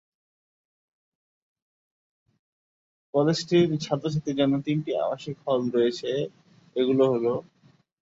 কলেজটির ছাত্র-ছাত্রীর জন্য তিনটি আবাসিক হল রয়েছে; এগুলো হলোঃ